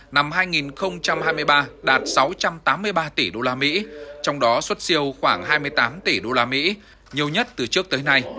năm hai nghìn hai mươi ba đạt sáu trăm tám mươi ba tỷ usd trong đó xuất siêu khoảng hai mươi tám tỷ usd nhiều nhất từ trước tới nay